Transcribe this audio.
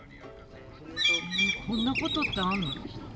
こんなことってあんの？